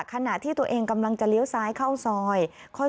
ขณะที่ตัวเองกำลังจะเลี้ยวซ้ายเข้าซอย